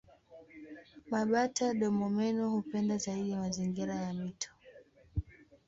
Mabata-domomeno hupenda zaidi mazingira ya mito.